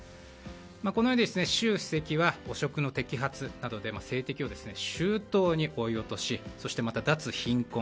このように習主席は汚職の摘発などで政敵を周到に追い落としそして、脱貧困